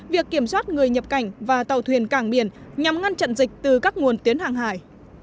việc kiểm soát người nhập cảnh và tàu thuyền cảng biển nhằm ngăn chặn dịch từ các nguồn tuyến hàng hải